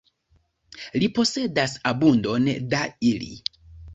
Li posedas abundon da ili.